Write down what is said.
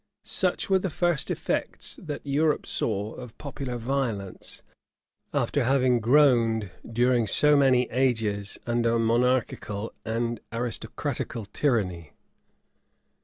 * Such were the first effects that Europe saw of popular violence, after having groaned, during so many ages, under monarchical and aristocratical tyranny.